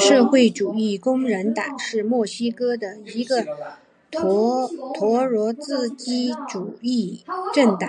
社会主义工人党是墨西哥的一个托洛茨基主义政党。